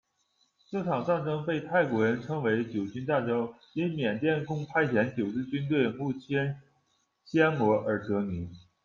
这场战争被泰国人称为九军战争，因缅甸共派遣九支军队入侵暹罗而得名。